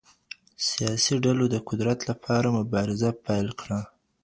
سياسي ډلو د قدرت له پاره مبارزه پيل کړه.